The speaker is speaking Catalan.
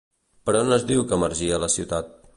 Per on es diu que emergia la ciutat?